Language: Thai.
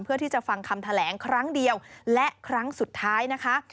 เพื่อที่จะฟังคำแถลงครั้งเดียวและครั้งสุดท้ายนะคะ